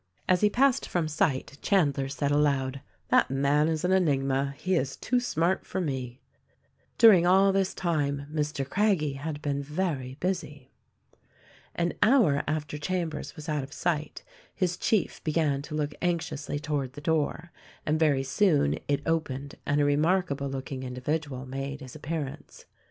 206 THE RECORDING ANGEL As he passed from sight Chandler said aloud, "That, man is an enigma : he is too smart for me." During all this time Mr. Craggie had been very busy. An hour after Chambers was out of sight his chief began to look anxiously toward the door, and very soon it opened and a remarkable looking individual made his appearance.